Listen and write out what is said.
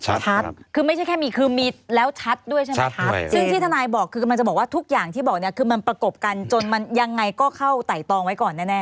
ชัดคือไม่ใช่แค่มีคือมีแล้วชัดด้วยใช่ไหมคะซึ่งที่ทนายบอกคือกำลังจะบอกว่าทุกอย่างที่บอกเนี่ยคือมันประกบกันจนมันยังไงก็เข้าไต่ตองไว้ก่อนแน่